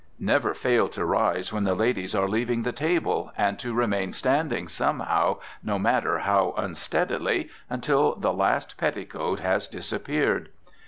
Never fail to rise when the ladies are leaving the table, and to remain standing somehow, no matter how unsteadily, until the last petticoat has disappeared.